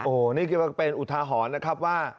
โอ้โหนี่คือเป็นอุทาหรณ์นะครับว่า